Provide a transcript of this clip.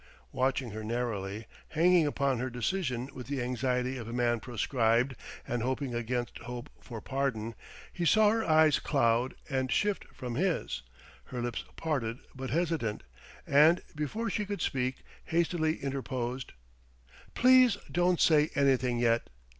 Watching her narrowly, hanging upon her decision with the anxiety of a man proscribed and hoping against hope for pardon, he saw her eyes cloud and shift from his, her lips parted but hesitant; and before she could speak, hastily interposed: "Please don't say anything yet.